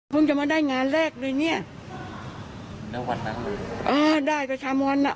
เพิ่งจะมาได้งานแรกเลยเนี้ยแล้ววันนั้นอ่าได้ก็ชามวันอ่ะ